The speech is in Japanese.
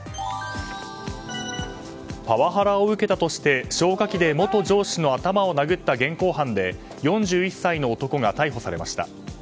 パワハラを受けたとして消火器で元上司の頭を殴った現行犯で４１歳の男が逮捕されました。